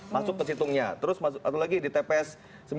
masuk ke situngnya terus lagi di tps